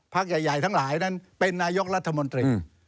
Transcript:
ใหญ่ทั้งหลายนั้นเป็นนายกรัฐมนตรี